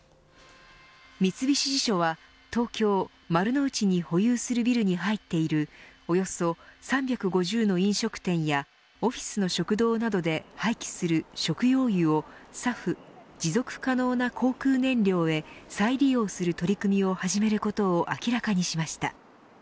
三菱地所は東京、丸の内に保有するビルに入っているおよそ３５０の飲食店やオフィスの食堂などで廃棄する食用油をＳＡＦ、持続可能な航空燃料へ再利用する取り組みを始めることを明らかにしました。